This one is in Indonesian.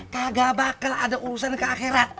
kagak bakal ada urusan ke akhirat